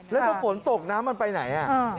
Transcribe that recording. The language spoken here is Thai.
แล้วถ้าฝนตกน้ำมันไปไหน